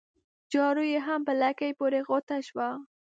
جارو يې هم په لکۍ پوري غوټه سو